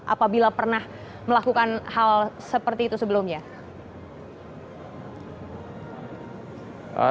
apabila pernah melakukan hal seperti itu sebelumnya